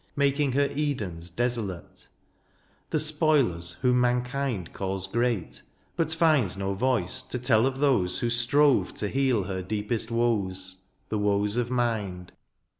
Making her Edens desolate — The spoilers whom mankind calls great — But finds no voice to tell of those Who strove to heal her deepest woes. The woes of mind.